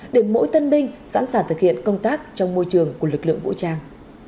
để mỗi tân binh sẵn sàng thực hiện công tác trong môi trường của lực lượng vũ trang